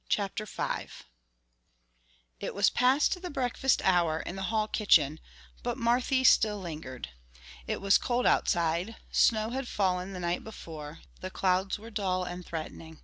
CHAPTER V It was past the breakfast hour in the Hall kitchen, but Marthy still lingered. It was cold outside; snow had fallen the night before; the clouds were dull and threatening.